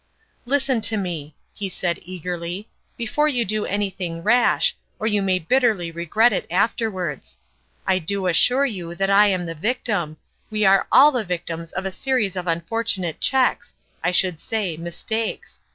" Listen to me !" he said eagerly, " before you do anything rash, or you may bitterly re gret it afterward. I do assure you that I am the victim we are all the victims of a series of unfortunate cheques I should say, mis takes.